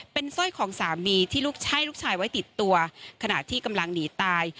เป็นสร้อยของสามีที่ลูกใช่ลูกชายไว้ติดตัวขณะที่กำลังหนีตาย